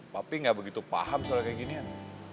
tapi gak begitu paham soal kayak ginian